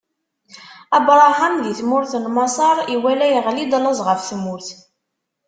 Abṛaham di tmurt n Maṣer iwala iɣli-d laẓ ɣef tmurt.